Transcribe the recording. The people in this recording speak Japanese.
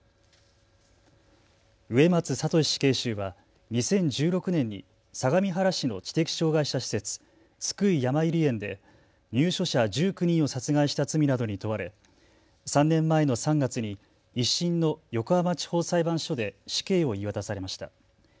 植松聖死刑囚は２０１６年に相模原市の知的障害者施設、津久井やまゆり園で入所者１９人を殺害した罪などに問われ３年前の３月に１審の横浜地方裁判所で死刑を言い渡されました。